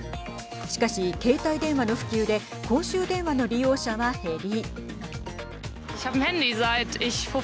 しかし、携帯電話の普及で公衆電話の利用者は減り。